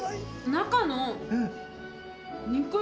中の。